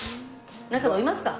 なんか飲みますか。